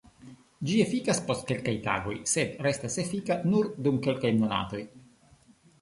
Ĝi efikas post kelkaj tagoj sed restas efika nur dum kelkaj monatoj.